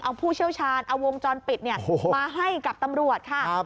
เอาผู้เชี่ยวชาญเอาวงจรปิดมาให้กับตำรวจค่ะ